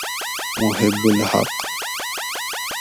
محب الحق